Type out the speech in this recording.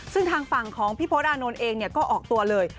ซึ่งทางฝั่งของพี่โพธอานนท์เองก็ออกตัวเลย